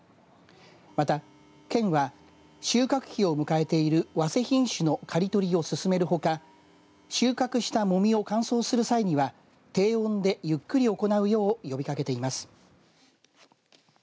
また、県は収穫期を迎えているわせ品種の刈り取りを進めるほか収穫した、もみを乾燥する際には低温で、ゆっくりと行うよう呼びかけています。